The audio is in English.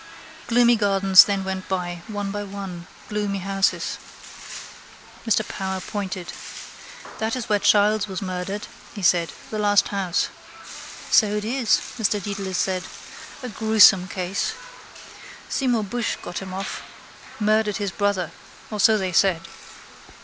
Gloomy gardens then went by: one by one: gloomy houses. Mr Power pointed. —That is where Childs was murdered, he said. The last house. —So it is, Mr Dedalus said. A gruesome case. Seymour Bushe got him off. Murdered his brother. Or so they said.